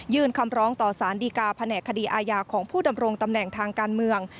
คำร้องต่อสารดีกาแผนกคดีอาญาของผู้ดำรงตำแหน่งทางการเมือง